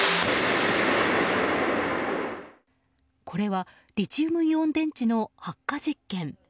これはリチウムイオン電池の発火実験。